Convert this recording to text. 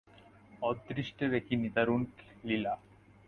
অদৃষ্টের এ কী নিদারূণ লীলা!